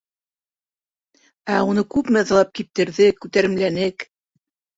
Ә уны күпме ыҙалап киптерҙек, күтәремләнек.